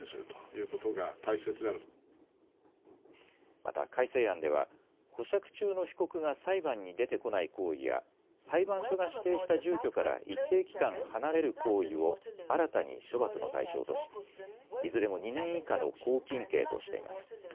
また改正案では保釈中の被告が裁判に出てこない行為や裁判所が指定した住居から一定期間離れる行為を新たに処罰の対象としいずれも２年以下の拘禁刑としています。